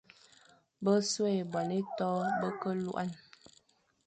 Besughʼé bone ieto be ke lugha.